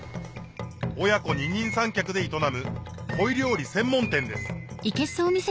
親子二人三脚で営むコイ料理専門店です